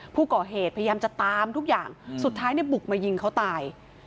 ผู้ก่อเหตุพยายามจะตามทุกอย่างสุดท้ายบุกมายิงเขาตาย